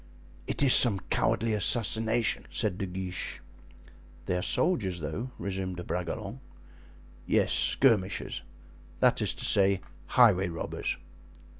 "It is some cowardly assassination," said De Guiche. "They are soldiers, though," resumed De Bragelonne. "Yes, skirmishers; that is to say, highway robbers."